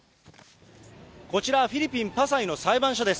こちら、フィリピン・パサイの裁判所です。